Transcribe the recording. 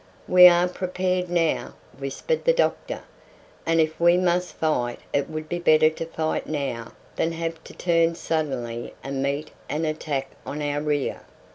"We are prepared now," whispered the doctor, "and if we must fight it would be better to fight now than have to turn suddenly and meet an attack on our rear."